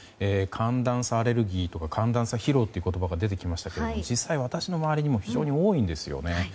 寒暖差アレルギーとか寒暖差疲労って言葉が出てきましたけれども実際、私の周りにも非常に多いんですよね。